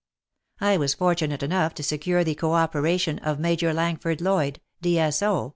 I was fortunate enough to secure the co operation of Major Langford Lloyd, D.S.O.